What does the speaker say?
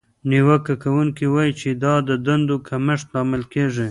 نیوکه کوونکې وایي چې دا د دندو د کمښت لامل کیږي.